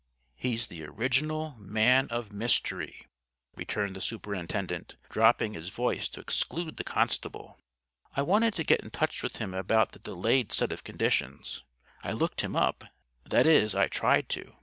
"He's the original Man of Mystery," returned the Superintendent, dropping his voice to exclude the constable. "I wanted to get in touch with him about the delayed set of conditions. I looked him up. That is, I tried to.